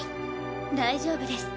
大丈夫です